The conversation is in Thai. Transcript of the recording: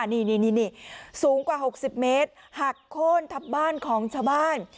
นี่สูงกว่า๖๐เมตรหักโค้นทับบ้านของชาวบ้าน